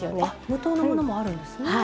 あっ無糖のものもあるんですね。